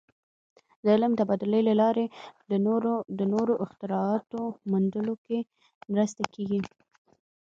د علم د تبادلې له لارې د نوو اختراعاتو موندلو کې مرسته کېږي.